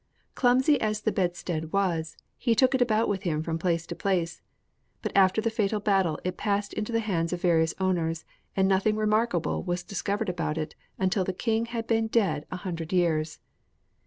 Clumsy as the bedstead was, he took it about with him from place to place; but after the fatal battle it passed into the hands of various owners, and nothing remarkable was discovered about it until the king had been dead a hundred years.